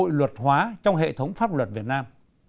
hội luật hóa trong hệ thống pháp luật việt nam